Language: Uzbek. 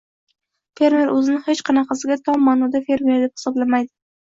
fermer o‘zini hech qanaqasiga tom ma’noda fermer deb hisoblamaydi.